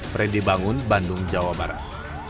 freddy bangun bandung jawa barat